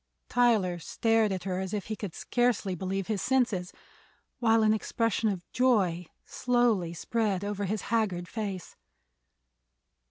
Tyler stared at her as if he could scarcely believe his senses, while an expression of joy slowly spread over his haggard face.